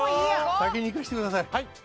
先にいかせてください。